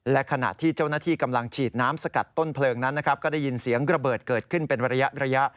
และขณะที่เจ้าหน้าที่กำลังฉีดน้ำสกัดต้นเพลิงนั้นนะครับก็ได้ยินเสียงระเบิดเกิดขึ้นเป็นระยะ